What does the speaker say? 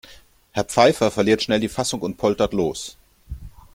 Herr Pfeiffer verliert schnell die Fassung und poltert los.